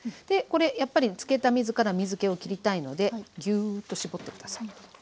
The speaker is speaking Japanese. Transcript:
でこれやっぱりつけた水から水けを切りたいのでぎゅっと絞って下さい。